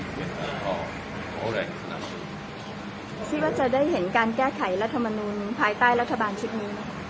ก็แหละว่าจะได้เห็นการแก้ไขรัฐมณูนผ่ายใต้รัฐบาลชีพนี้ครับ